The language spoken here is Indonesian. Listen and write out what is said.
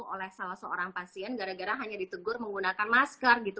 oleh salah seorang pasien gara gara hanya ditegur menggunakan masker gitu